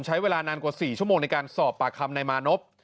ใช้เวลานานกว่า๔ชั่วโมงในการสอบปากคำนายมานพ